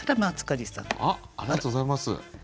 ありがとうございます。